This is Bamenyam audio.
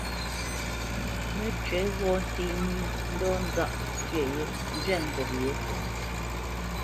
Mə́cywǐ ghɔ̂ nté nǐ ndɔ̌ nzáʼ tyə yé njwɛ̂p ngop yě.